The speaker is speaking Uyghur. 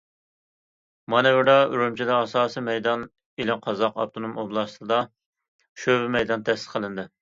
مانېۋىردا ئۈرۈمچىدە ئاساسىي مەيدان، ئىلى قازاق ئاپتونوم ئوبلاستىدا شۆبە مەيدان تەسىس قىلىندى.